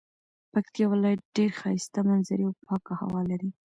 پکتيا ولايت ډيري ښايسته منظري او پاکه هوا لري